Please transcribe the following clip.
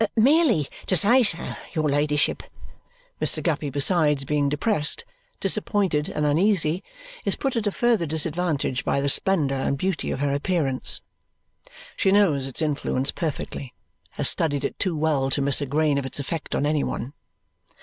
"Merely to say so, your ladyship." Mr. Guppy besides being depressed, disappointed, and uneasy, is put at a further disadvantage by the splendour and beauty of her appearance. She knows its influence perfectly, has studied it too well to miss a grain of its effect on any one.